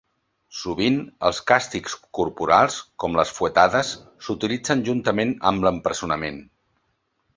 Sovint, els càstigs corporals, com les fuetades, s'utilitzen juntament amb l'empresonament.